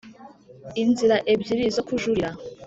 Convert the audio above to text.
inzira ebyiri zo kujurira.